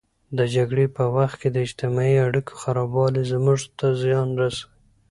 د جګړې په وخت کې د اجتماعي اړیکو خرابوالی زموږ ته زیان رسوي.